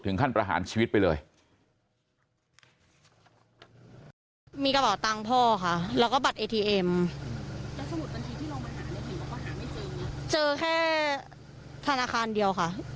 ขั้นประหารชีวิตไปเลย